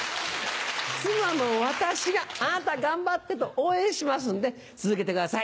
妻の私が「あなた頑張って」と応援しますんで続けてください。